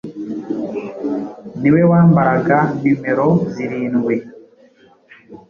ni we wambaraga numero zirindwi